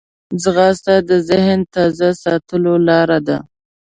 ځغاسته د ذهن تازه ساتلو لاره ده